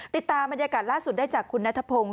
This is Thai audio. ติดตามบรรยากาศล่าสุดได้จากคุณนัทพงศ